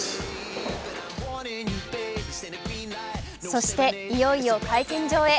そしていよいよ会見場へ。